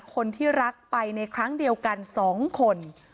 คนที่รักไปในครั้งเดียวกัน๒คน